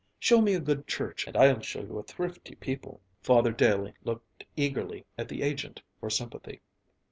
Show me a good church and I'll show you a thrifty people." Father Daley looked eagerly at the agent for sympathy.